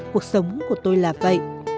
cuộc sống của tôi là vậy